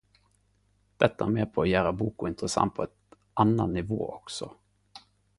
Dette er med på å gjere boka interessant på eit anna nivå også.